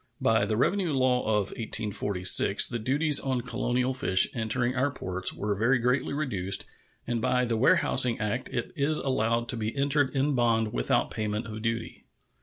By the revenue law of 1846 the duties on colonial fish entering our ports were very greatly reduced, and by the warehousing act it is allowed to be entered in bond without payment of duty.